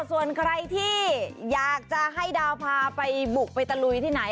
ส่วนใครที่อยากจะให้ดาวพาไปบุกไปตะลุยที่ไหน